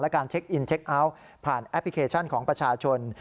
การเช็คอินเช็คเอาท์ผ่านแอปพลิเคชันของประชาชน